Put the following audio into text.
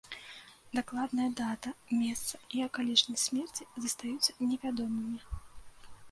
Дакладная дата, месца і акалічнасці смерці застаюцца невядомымі.